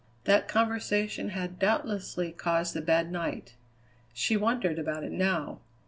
That conversation had doubtlessly caused the bad night; she wondered about it now.